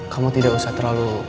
kamu tidak usah terlalu